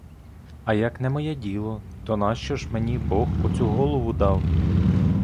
А як не моє діло, то нащо ж мені бог оцю голову дав?